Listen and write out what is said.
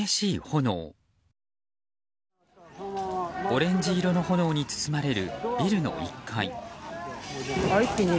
オレンジ色の炎に包まれるビルの１階。